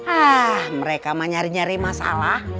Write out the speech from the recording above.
ah mereka menyari nyari masalah